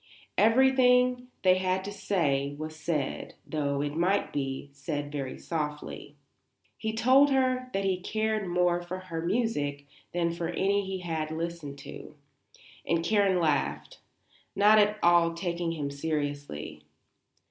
Everything they had to say was said, though, it might be, said very softly. He told her that he cared more for her music than for any he had listened to, and Karen laughed, not at all taking him seriously.